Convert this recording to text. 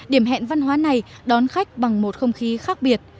điểm hẹn văn hóa này đón khách bằng một không khí khác biệt